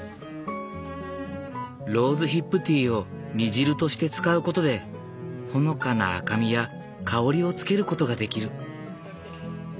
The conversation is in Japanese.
ローズヒップティーを煮汁として使うことでほのかな赤みや香りをつけることができる。